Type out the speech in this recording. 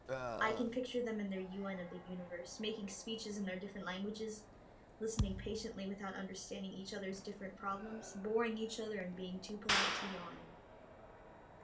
I can picture them in their UN of the Universe, making speeches in their different languages, listening patiently without understanding each other's different problems, boring each other and being too polite to yawn.